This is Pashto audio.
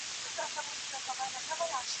موږ ته اور په خپلو خسو دی بل شوی